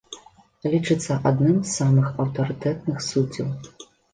Лічыцца адным з самых аўтарытэтных суддзяў.